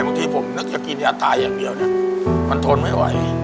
บางทีผมนึกจะกินยาตายอย่างเดียวเนี่ยมันทนไม่ไหว